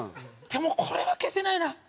でもこれは消せないな！」。